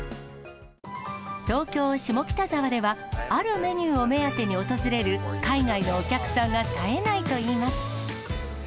東京・下北沢ではあるメニューを目当てに訪れる海外のお客さんが絶えないといいます。